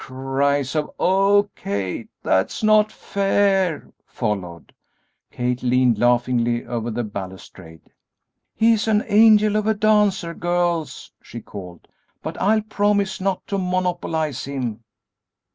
Cries of "Oh, Kate, that's not fair!" followed. Kate leaned laughingly over the balustrade. "He's an angel of a dancer, girls," she called, "but I'll promise not to monopolize him!"